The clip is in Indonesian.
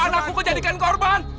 karena aku kejadikan korban